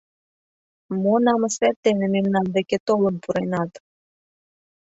Мо намысет дене мемнан деке толын пуренат?!